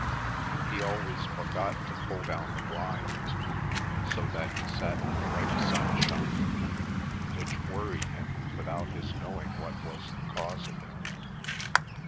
He always forgot to pull down the blinds, so that he sat in bright sunshine, which worried him without his knowing what was the cause of it.